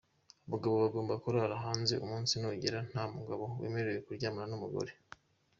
Abagabo bagomba kurara hanze, umunsi nugera, nta mugabo wemerewe kuryamana n’umugore.